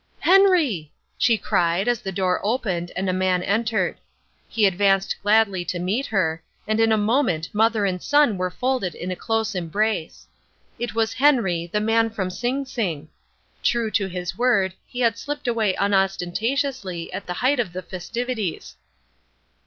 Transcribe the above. "Henry!" she cried as the door opened and a man entered. He advanced gladly to meet her, and in a moment mother and son were folded in a close embrace. It was Henry, the man from Sing Sing. True to his word, he had slipped away unostentatiously at the height of the festivities.